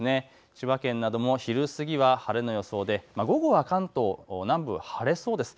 千葉県なども昼過ぎは晴れの予想で午後は関東南部、晴れそうです。